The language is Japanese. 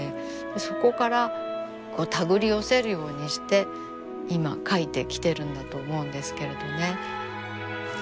そこからこう手繰り寄せるようにして今描いてきてるんだと思うんですけれどね。